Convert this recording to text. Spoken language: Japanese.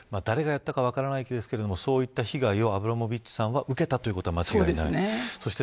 誰がやったか分からないですけれどもそういった被害をアブラモビッチさんは受けたとことはまちがいない。